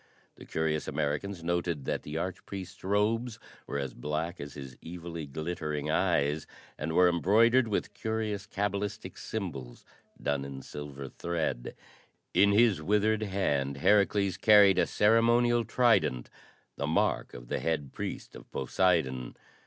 The curious Americans noted that the arch priest's robes were as black as his evilly glittering eyes, and were embroidered with curious cabalistic symbols done in silver thread. In his withered hand Herakles carried a ceremonial trident the mark of the Head Priest of Poseidon.